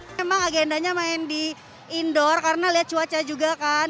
memang agendanya main di indoor karena lihat cuaca juga kan